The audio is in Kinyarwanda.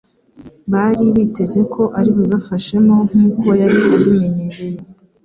bari biteze ko ari bubibafashemo nk'uko yari abimenyereye.